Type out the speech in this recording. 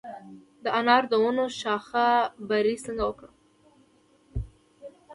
د انارو د ونو شاخه بري څنګه وکړم؟